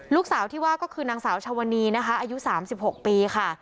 ลูกสาวที่ว่าก็คือนางสาวชวนีนะคะอายุ๓๖ปีค่ะ